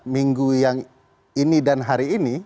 minggu yang ini dan hari ini